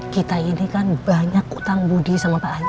kita ini kan banyak hutang budi sama pak anies